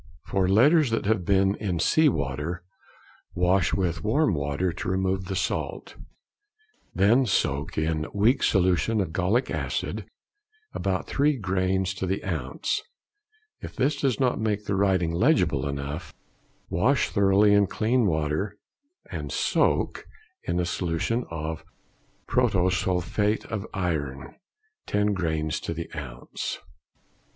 For letters that have been in sea water, wash with warm water to remove the salt, then soak in weak solution of gallic acid, about 3 grains to the ounce. If this does not make the writing legible enough, wash thoroughly in clean water, and soak in a solution of protosulphate of iron, 10 grains to the ounce.